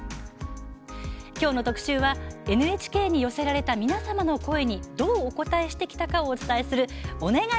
今日の特集はＮＨＫに寄せられた皆様の声にどうお応えしてきたかをお伝えする「おねがい！